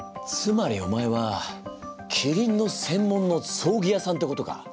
つまりお前はキリンの専門の葬儀屋さんってことか？